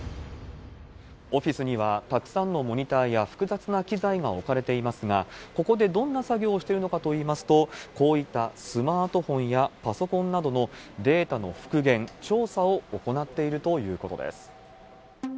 オフィスには、たくさんのモニターや複雑な機材が置かれていますが、ここでどんな作業をしてるのかといいますと、こういったスマートフォンやパソコンなどのデータの復元、調査を行っているということです。